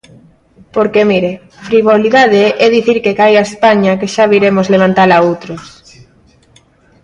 Porque, mire, frivolidade é dicir que caia España que xa viremos levantala outros.